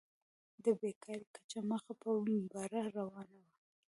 د بېکارۍ کچه مخ په بره روانه وه.